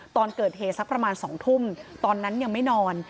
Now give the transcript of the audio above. ตอนเกิดเหตุสักประมาณ๒ทุ่มตอนนั้นยังไม่นอน